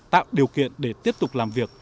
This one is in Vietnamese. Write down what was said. tạo điều kiện để tiếp tục làm việc